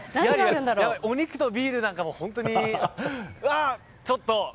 お肉とビールなんかも本当に。